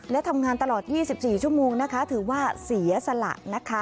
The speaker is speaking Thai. และทำงานตลอด๒๔ชั่วโมงนะคะถือว่าเสียสละนะคะ